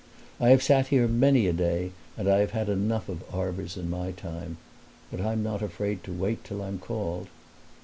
"I have sat here many a day and I have had enough of arbors in my time. But I'm not afraid to wait till I'm called."